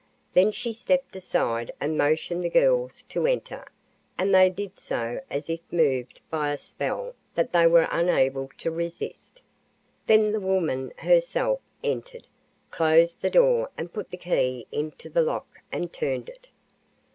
Then she stepped aside and motioned the girls to enter, and they did so as if moved by a spell that they were unable to resist. Then the woman herself entered, closed the door and put the key into the lock and turned it.